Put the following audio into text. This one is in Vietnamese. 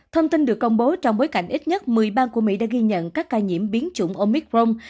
thông tin được công bố trong bối cảnh ít nhất một mươi bang của mỹ đã ghi nhận các ca nhiễm biến chủng omicron